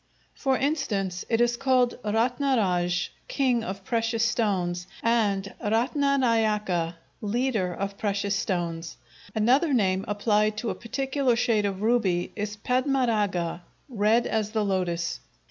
For instance, it is called ratnaraj, "king of precious stones," and ratnanâyaka, "leader of precious stones;" another name, applied to a particular shade of ruby is padmarâga, "red as the lotus."